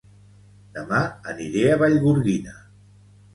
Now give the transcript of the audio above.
Dema aniré a Vallgorguina